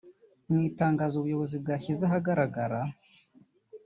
Mu itangazo ubu buyobozi bwashyize ahagaragara